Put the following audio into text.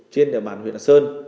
trên địa bàn huyện hà sơn